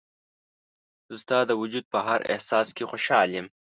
زه ستا د وجود په هر احساس کې خوشحاله یم.